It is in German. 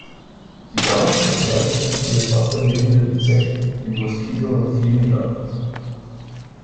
Die Larven ernähren sich von im Wasser lebenden Insekten, wie Moskito und Fliegen-Larven.